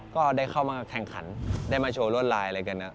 ก็ได้เข้ามาแข่งขันได้มาโชว์รวดลายอะไรกัน